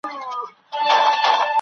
د پرمختګ څرخ په چټکۍ روان و.